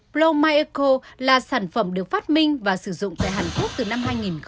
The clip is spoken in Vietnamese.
pro myeco là sản phẩm được phát minh và sử dụng tại hàn quốc từ năm hai nghìn một mươi một